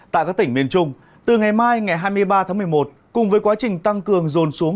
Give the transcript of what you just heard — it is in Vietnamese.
tại các tỉnh miền trung từ ngày mai ngày hai mươi ba tháng một mươi một cùng với quá trình tăng cường dồn xuống